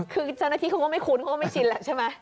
คือเจ้าหน้าที่เขาก็ไม่คุ้นเขาก็ไม่ชินแหละใช่ไหม